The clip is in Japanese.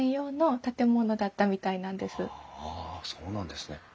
あそうなんですね。